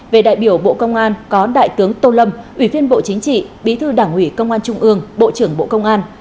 về đại biểu bộ công an có đại tướng tô lâm ủy viên bộ chính trị bí thư đảng ủy công an trung ương bộ trưởng bộ công an